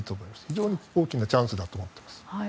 非常に大きなチャンスだと思っています。